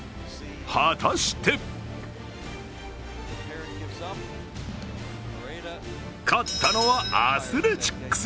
果たして勝ったのはアスレチックス。